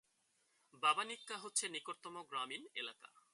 বাবানিনকা হচ্ছে নিকটতম গ্রামীণ এলাকা।